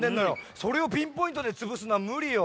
それをピンポイントでつぶすのはむりよ。